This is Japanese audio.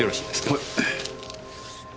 はい。